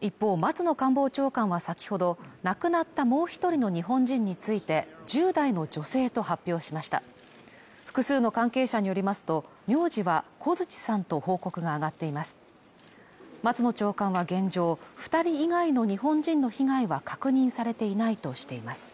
一方松野官房長官は先ほど亡くなったもう一人の日本人について１０代の女性と発表しました複数の関係者によりますと名字はＫＯＺＵＣＨＩさんと報告が上がっています松野長官は現状二人以外の日本人の被害は確認されていないとしています